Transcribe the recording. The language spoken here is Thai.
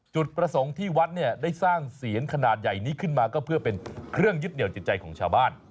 จุดประสงค์ที่วัดเนี่ยได้สร้างเสียนขนาดใหญ่นี้ขึ้นมาก็เพื่อเป็นเครื่องยึดเหนียวจิตใจของชาวบ้าน